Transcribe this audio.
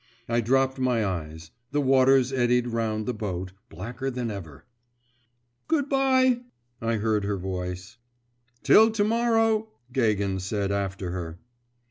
I dropped my eyes; the waters eddied round the boat, blacker than ever. 'Good bye!' I heard her voice. 'Till to morrow,' Gagin said after her.